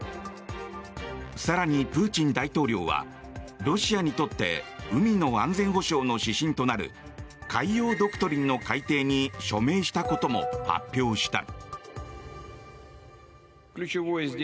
更に、プーチン大統領はロシアにとって海の安全保障の指針となる海洋ドクトリンの改訂に署名したことも発表した。